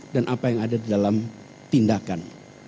apa yang ada di dalam tindakan